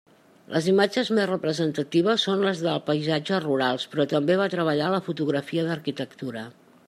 Les imatges més representatives són les de paisatges rurals, però també va treballar la fotografia d'arquitectura.